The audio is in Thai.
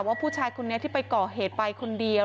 ว่าผู้ชายคนนี้ที่ไปก่อเหตุไปคนเดียว